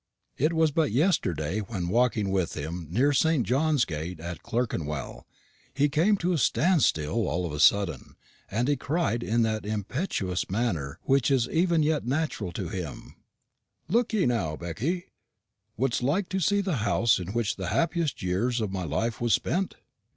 It was but yesterday, when walking with him near St. John's Gate at Clerkenwell, he came to a standstill all of a sudden, and he cried in that impetuous manner which is even yet natural to him, 'Look ye now, Becky, wouldst like to see the house in which the happiest years of my life was spent?'